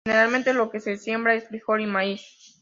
Generalmente lo que se siembra es frijol y maíz.